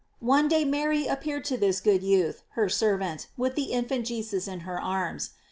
One day Mary appeared to this good youth, her servant, with the infant Jesus in her arms.